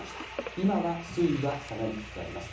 今は水位は下がりつつあります。